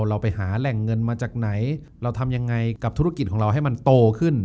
เราไปหาแหล่งเงินมาจากไหนเราทำยังไงกับธุรกิจของเราให้มันโตขึ้น